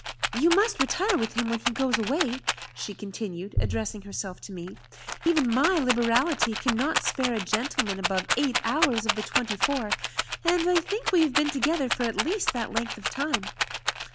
You must retire with him when he goes away," she continued, addressing herself to me; "even my liberality cannot spare a gentleman above eight hours out of the twenty four; and I think we have been together for at least that length of time."